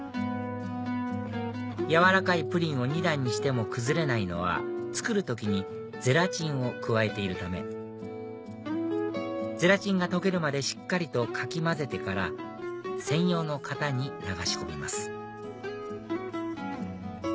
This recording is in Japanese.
軟らかいプリンを２段にしても崩れないのは作る時にゼラチンを加えているためゼラチンが溶けるまでしっかりとかき混ぜてから専用の型に流し込みます